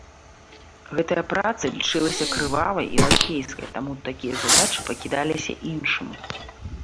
Гэтая праца лічылася крывавай і лакейскай, таму такія задачы пакідаліся іншым.